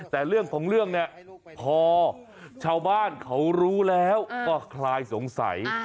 แต่เรื่องของเรื่องเนี่ยพอชาวบ้านเขารู้แล้วก็คลายสงสัย